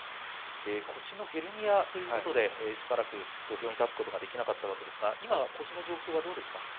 腰のヘルニアということでしばらく土俵に立つことができなかったわけですが今、腰の状況どうですか。